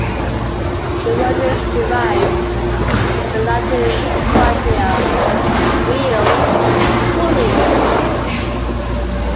The word is derived from the Latin trochlea, 'wheel, pulley'.